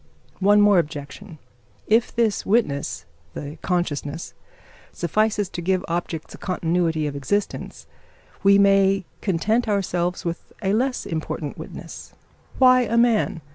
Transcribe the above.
One more objection: if this witness the consciousness suffices to give objects a continuity of existence, we may content ourselves with a less important witness. Why a man?